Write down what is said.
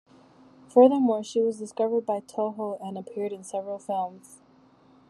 Furthermore, she was discovered by Toho and appeared in several films.